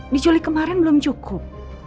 dijual kemarin belum cukup